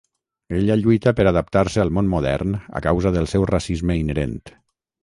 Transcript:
Ella lluita per adaptar-se al món modern a causa del seu racisme inherent.